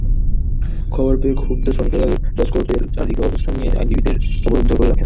খবর পেয়ে ক্ষুব্ধ শ্রমিকেরা জজকোর্টের চারদিকে অবস্থান নিয়ে আইনজীবীদের অবরুদ্ধ করে রাখেন।